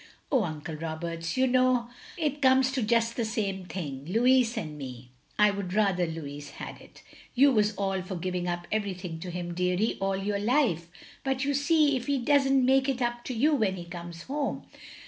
"" Oh, Uncle Roberts, you know it comes to just the same thing. Louis and me! I would rather Louis had it. " "You was all for giving up everything to him, deary, all your life. But you see if he does n't make it up to you when he comes home.